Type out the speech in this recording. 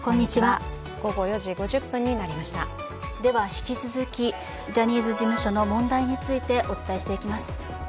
引き続き、ジャニーズ事務所の問題についてお伝えしていきます。